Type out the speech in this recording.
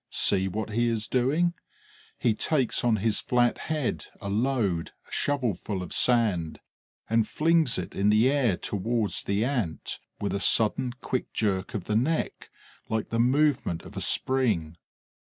See what he is doing. He takes on his flat head a load, a shovelful of sand, and flings it in the air towards the Ant, with a sudden, quick jerk of the neck, like the movement of a spring.